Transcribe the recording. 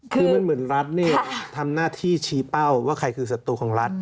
คือมันเหมือนรัฐเนี่ยทำหน้าที่ชี้เป้าว่าใครคือศัตรูของรัฐ